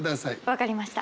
分かりました。